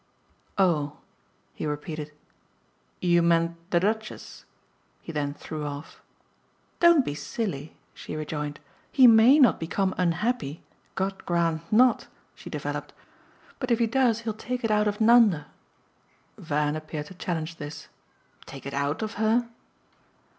"Oh!" he repeated. "You meant the Duchess?" he then threw off. "Don't be silly!" she rejoined. "He MAY not become unhappy God grant NOT!" she developed. "But if he does he'll take it out of Nanda." Van appeared to challenge this. "'Take it out' of her?"